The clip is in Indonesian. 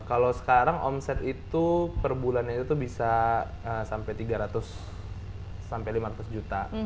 kalau sekarang omset itu per bulannya itu bisa sampai tiga ratus sampai lima ratus juta